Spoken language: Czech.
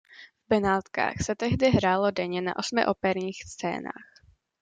V Benátkách se tehdy hrálo denně na osmi operních scénách.